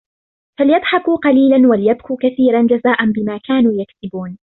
فليضحكوا قليلا وليبكوا كثيرا جزاء بما كانوا يكسبون